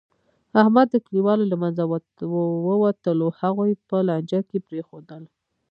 احمد د کلیوالو له منځه ووتلو، هغوی په لانجه کې پرېښودل.